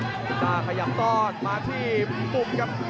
เอ็กต้าพยายามตอดมาที่ปุ่มครับ